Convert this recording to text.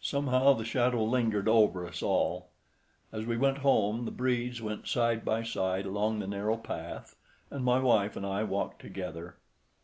Somehow, the shadow lingered over us all. As we went home, the Bredes went side by side along the narrow path, and my wife and I walked together.